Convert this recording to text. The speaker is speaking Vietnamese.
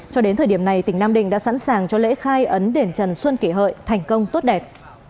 cho đến thời điểm này tỉnh nam định đã sẵn sàng cho lễ khai ấn đền trần xuân kỷ hợi thành công tốt đẹp